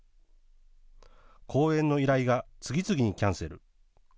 公演の依頼が次々にキャンセル。